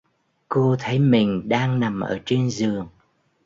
Cô thấy mình đang nằm ở trên giường